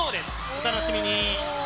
お楽しみに。